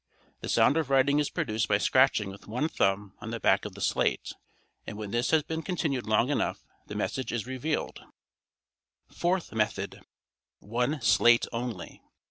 The sound of writing is produced by scratching with one thumb on the back of the slate, and when this has been continued long enough the message is revealed. Fourth Method (one slate only).